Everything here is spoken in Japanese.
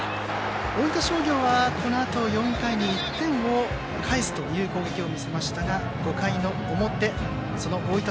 大分商業は、このあと４回に１点をかえす攻撃を見せましたが、５回の表その大分